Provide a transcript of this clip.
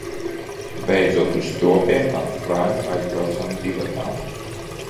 Beidzot uz Stropiem ar Fraņu aizbraucām divatā.